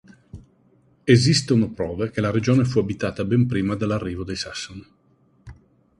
Esistono prove che la regione fu abitata ben prima dell'arrivo dei Sassoni.